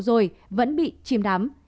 rồi vẫn bị chìm đắm